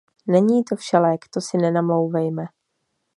Není to všelék, to si nenamlouvejme.